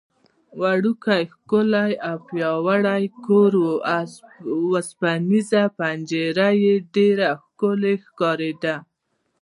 وړوکی، ښکلی او پیاوړی کور و، اوسپنېزه پنجره یې ډېره ښکلې ښکارېده.